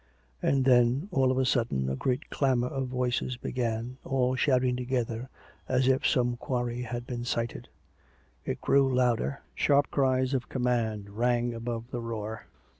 And then, all on a sudden, a great clamour of voices began, all shouting together, as if some quarry had been sighted: it grew louder, sharp cries of command rang above the roar.